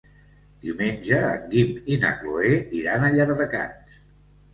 Diumenge en Guim i na Cloè iran a Llardecans.